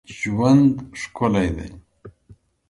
ژوند ښکلی دی